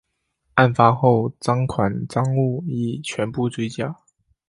案发后赃款赃物已全部追缴。